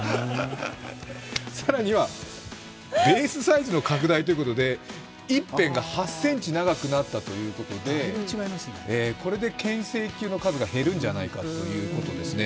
更にはベースサイズの拡大ということで一辺が８ｃｍ長くなったということでこれで牽制球の数が減るんじゃないかということですね。